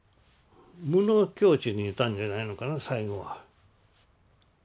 無の境地にいたんじゃないのかな最後は。